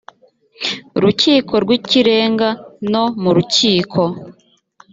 rukiko rw ikirenga no mu rukiko